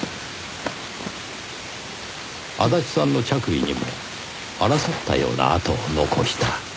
足立さんの着衣にも争ったような跡を残した。